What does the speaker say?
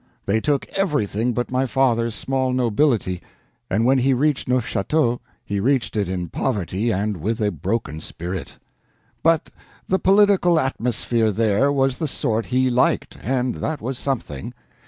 They took everything but my father's small nobility, and when he reached Neufchateau he reached it in poverty and with a broken spirit. But the political atmosphere there was the sort he liked, and that was something.